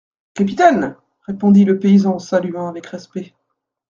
Capitaine ! répondit le paysan en saluant avec respect.